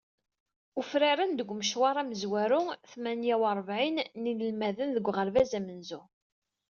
Ufaren-d deg umecwar amezwaru tmanya u rebεin n yinelmaden deg uɣerbaz amenzu.